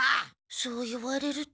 そう言われると。